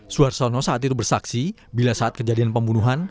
suarsono saat itu bersaksi bila saat kejadian pembunuhan